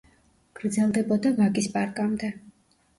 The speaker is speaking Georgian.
გრძელდებოდა ვაკის პარკამდე.